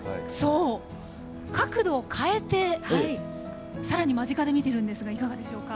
角度を変えてさらに、間近で見てるんですがいかがでしょうか。